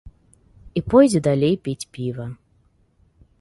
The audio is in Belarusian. І пойдзе далей піць піва.